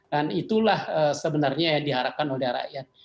dan itulah sebenarnya yang diharapkan oleh rakyat